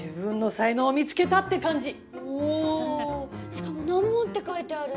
しかも「難問」って書いてある。